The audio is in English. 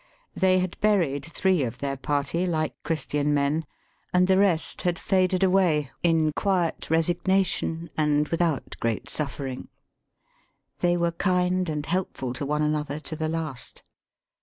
They had buried three of their party, like Christian men, and the rest had faded away in quiet resignation, and without great suffering. They were kind and helpful to one another, to the last.